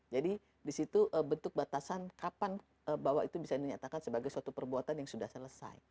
jadi di situ bentuk batasan kapan bahwa itu bisa dinyatakan sebagai suatu perbuatan yang sudah selesai